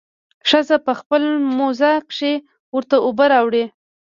ښځه په خپله موزه کښې ورته اوبه راوړي.